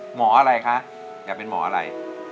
หมออะไรคะอยากเป็นหมออะไร